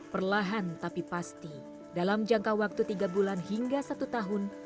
perlahan tapi pasti dalam jangka waktu tiga bulan hingga satu tahun